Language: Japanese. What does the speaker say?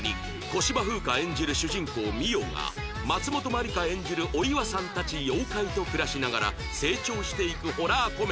小芝風花演じる主人公澪が松本まりか演じるお岩さんたち妖怪と暮らしながら成長していくホラーコメディー